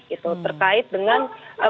itu terkait dengan